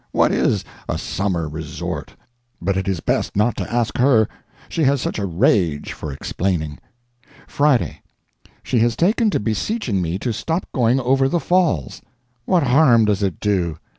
What is a summer resort? But it is best not to ask her, she has such a rage for explaining. FRIDAY. She has taken to beseeching me to stop going over the Falls. What harm does it do?